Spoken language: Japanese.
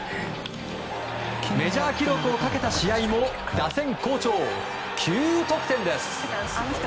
メジャー記録をかけた試合も打線好調、９得点です！